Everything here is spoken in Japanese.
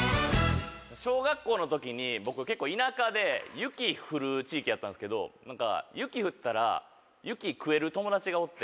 小学校のときに僕結構田舎で雪降る地域やったんですけど雪降ったら雪食える友達がおって。